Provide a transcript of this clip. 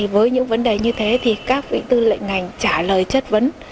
với những vấn đề như thế thì các vị tư lệnh ngành trả lời chất vấn